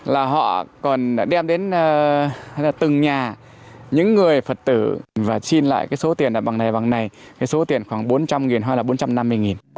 là họ còn đem đến từng nhà những người phật tử và xin lại cái số tiền đặt bằng này bằng này cái số tiền khoảng bốn trăm linh hoặc là bốn trăm năm mươi